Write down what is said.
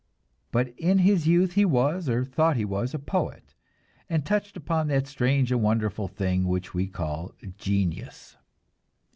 But in his youth he was, or thought he was, a poet, and touched upon that strange and wonderful thing which we call genius.